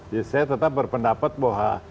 jadi saya tetap berpendapat bahwa